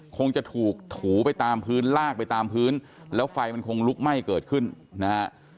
คงจะถูกถูไปตามพื้นลากไปตามพื้นแล้วไฟมันคงลุกไหม้เกิดขึ้นนะฮะ